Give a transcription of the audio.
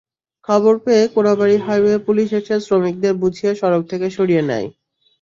খবর পেয়ে Konabari highway police এসে শ্রমিকদের বুঝিয়ে সড়ক থেকে সরিয়ে নেয়।